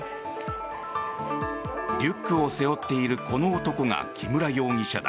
リュックを背負っているこの男が木村容疑者だ。